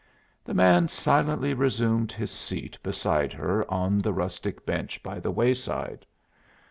The man silently resumed his seat beside her on the rustic bench by the wayside.